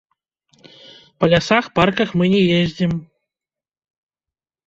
Па лясах-парках мы не ездзім.